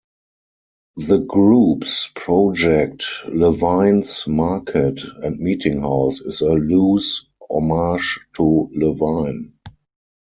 The group's project Levine's Market and Meeting House is a loose homage to Levine.